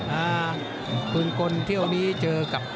ผู้ผู้คนเที่ยวนี้เจอกับ